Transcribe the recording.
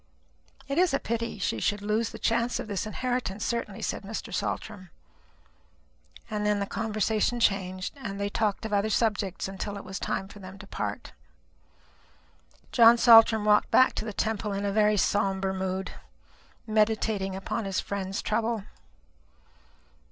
"It is a pity she should lose the chance of this inheritance, certainly," said Mr. Saltram. And then the conversation changed, and they talked of other subjects until it was time for them to part. John Saltram walked back to the Temple in a very sombre mood, meditating upon his friend's trouble.